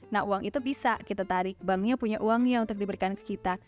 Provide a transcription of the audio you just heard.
nah uang itu bisa kita tarik banknya punya uangnya untuk diberikan ke kita